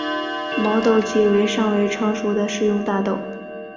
毛豆即为尚未成熟的食用大豆。